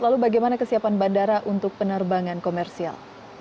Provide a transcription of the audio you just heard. lalu bagaimana kesiapan bandara untuk penerbangan komersial